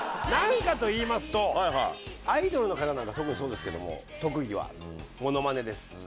なんかといいますとアイドルの方なんか特にそうですけども「特技はモノマネです」。